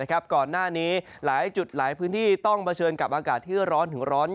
ก่อนหน้านี้หลายจุดหลายพื้นที่ต้องเผชิญกับอากาศที่ร้อนถึงร้อน